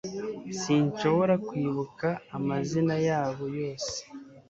sinshobora kwibuka amazina yabo yose